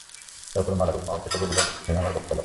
তারপর মালাকুল মউত এসে বলবেন, হে আমার প্রতিপালক!